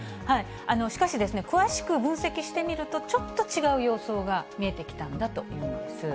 しかし、詳しく分析してみると、ちょっと違う様相が見えてきたんだというんです。